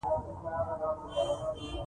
دا ښځي بايد و روزل سي